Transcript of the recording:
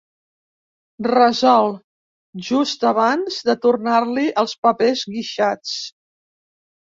Resol, just abans de tornar-li els papers guixats.